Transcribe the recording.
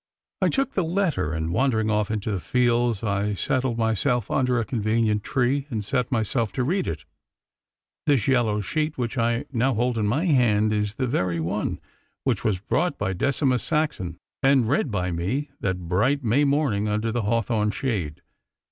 I took the letter, and wandering off into the fields, I settled myself under a convenient tree, and set myself to read it. This yellow sheet which I now hold in my hand is the very one which was brought by Decimus Saxon, and read by me that bright May morning under the hawthorn shade.